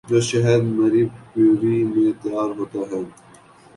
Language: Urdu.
جو شہد مری بروری میں تیار ہوتا ہے۔